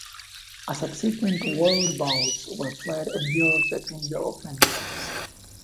All subsequent World Bowls were played in Europe between European clubs.